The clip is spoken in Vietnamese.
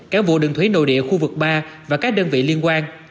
cảng vụ đường thủy nội địa khu vực ba và các đơn vị liên quan